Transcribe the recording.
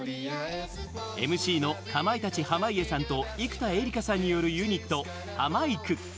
ＭＣのかまいたち・濱家さんと生田絵梨花さんによるユニットハマいく。